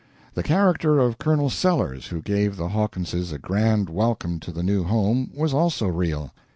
The character of Colonel Sellers, who gave the Hawkinses a grand welcome to the new home, was also real.